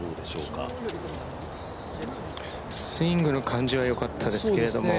スイングの感じは良かったですけれども。